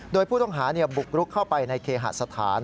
โดยผู้ต้องหาบุกรุกเข้าไปในเคหสถาน